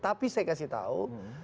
tapi saya kasih tahu